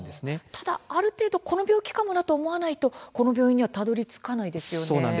ただある程度この病気かもと思わないとこの病気にたどりつかないですよね。